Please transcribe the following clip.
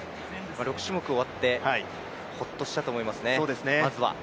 ６種目終わってホッとしたと思いますね、まずは。